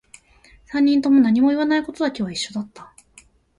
三人とも何も言わないことだけは一緒だった